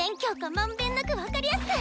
まんべんなく分かりやすく！